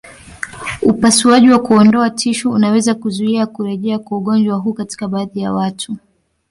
Upasuaji wa kuondoa tishu unaweza kuzuia kurejea kwa ugonjwa huu katika baadhi ya watu.